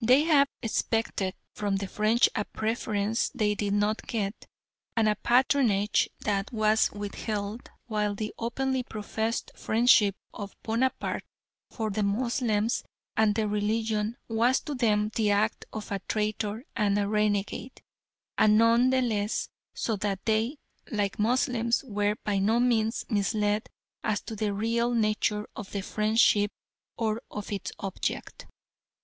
They had expected from the French a preference they did not get, and a patronage that was withheld, while the openly professed friendship of Bonaparte for the Moslems and their religion was to them the act of a traitor and a renegade, and none the less so that they, like the Moslems, were by no means misled as to the real nature of the friendship or of its object.